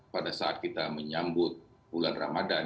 pada saat kita menyambut bulan ramadan